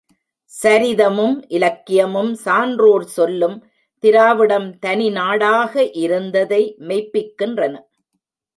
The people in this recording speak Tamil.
சரிதமும், இலக்கியமும், சான்றோர் சொல்லும் திராவிடம் தனிநாடாக இருந்ததை மெய்ப்பிக்கின்றன.